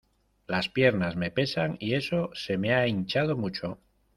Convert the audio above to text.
Las piernas me pesan y eso se me ha hinchado mucho.